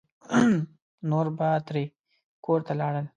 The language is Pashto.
نور به ترې کور ته لاړل.